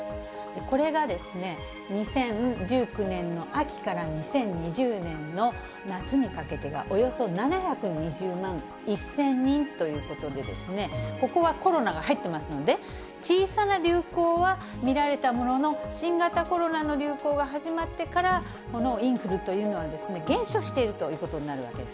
これが２０１９年の秋から２０２０年の夏にかけては、およそ７２０万１０００人ということで、ここはコロナが入ってますので、小さな流行は見られたものの、新型コロナの流行が始まってから、このインフルというのは、減少しているということになるわけです。